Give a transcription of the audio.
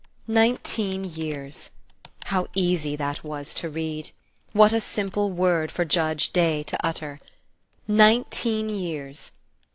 Nineteen years! How easy that was to read! What a simple word for Judge Day to utter! Nineteen years!